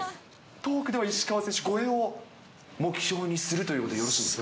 トークでは石川選手超えを目標にするということでよろしいですか？